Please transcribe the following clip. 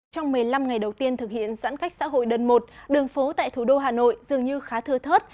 trong một mươi năm ngày đầu tiên thực hiện giãn cách xã hội đơn một đường phố tại thủ đô hà nội dường như khá thưa thớt